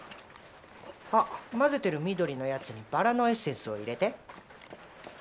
あっ混ぜてる緑のやつにバラのエッセンスを入れて。